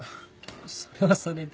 それはそれで。